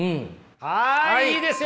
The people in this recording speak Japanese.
はいいいですよ。